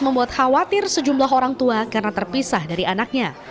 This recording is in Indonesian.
membuat khawatir sejumlah orang tua karena terpisah dari anaknya